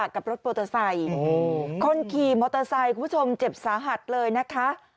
กับรถมอเตอร์ไซค์คนขี่มอเตอร์ไซค์คุณผู้ชมเจ็บสาหัสเลยนะคะ